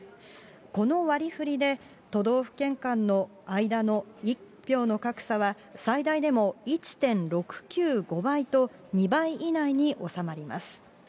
この割りふりで都道府県間の１票の格差は最大でも１．６９５倍と、２倍以内に収まります。